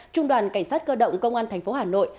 trung đoàn cảnh sát cơ động công an tp hcm